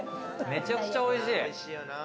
めちゃくちゃおいしい。